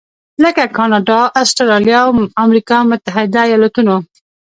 لکه کاناډا، اسټرالیا او امریکا متحده ایالتونو.